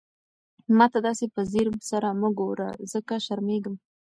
ما ته داسې په ځير سره مه ګوره، ځکه شرمېږم.